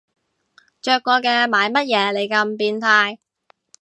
着過嘅買乜嘢你咁變態